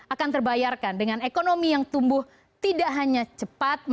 akan terbayarkan dengan ekonomi yang tumbuh tidak hanya cepat